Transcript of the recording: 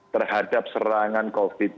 terhadap serangan covid sembilan belas